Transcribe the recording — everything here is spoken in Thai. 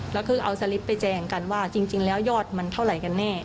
แล้วก็เอาสลิปไปแจงกันว่าจริงแล้วยอดมันเท่าไหร่กันแน่